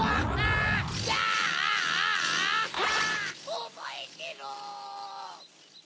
おぼえてろ！